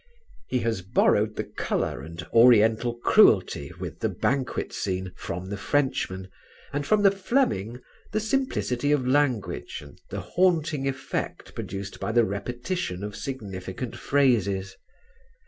He has borrowed the colour and Oriental cruelty with the banquet scene from the Frenchman, and from the Fleming the simplicity of language and the haunting effect produced by the repetition of significant phrases.